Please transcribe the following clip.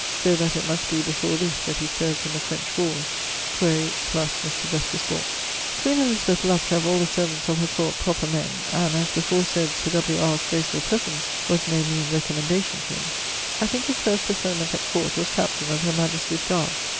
(So that it must be before this that he served in the French warres.) [LXVIII.] Quaere + Mr. Justice Ball. Queen Elizabeth loved to have all the servants of her Court proper men, and (as beforesaid Sir W. R.'s gracefull presence was no meane recommendation to him). I thinke his first preferment at Court was Captaine of her Majestie's guard.